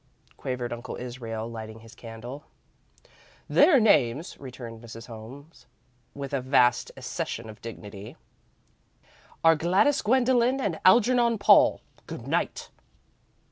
quavered Uncle Israel, lighting his candle. "Their names," returned Mrs. Holmes, with a vast accession of dignity, "are Gladys Gwendolen and Algernon Paul! Good night!"